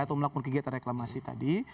atau melakukan kegiatan reklamasi tadi